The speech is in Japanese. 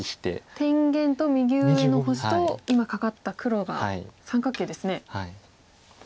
天元と右上の星と今カカった黒が三角形ですね。